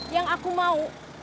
yang aku mau